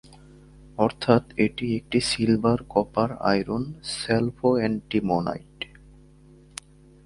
অর্থাৎ এটি একটি সিলভার-কপার-আয়রন-সালফোঅ্যান্টিমনাইড।